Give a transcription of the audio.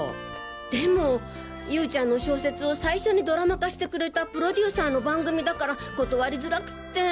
でも優ちゃんの小説を最初にドラマ化してくれたプロデューサーの番組だから断りづらくって。